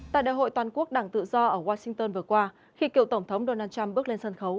tại đại hội toàn quốc đảng tự do ở washington vừa qua khi cựu tổng thống donald trump bước lên sân khấu